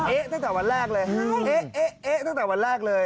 เอ๊ะตั้งแต่วันแรกเลย